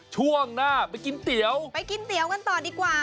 ช่วงหน้าไปกินเตี๋ยวไปกินเตี๋ยวกันต่อดีกว่า